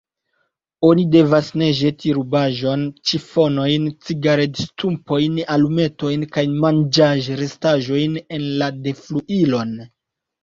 Oni devas ne ĵeti rubaĵon, ĉifonojn, cigaredstumpojn, alumetojn kaj manĝaĵrestaĵojn en la defluilon.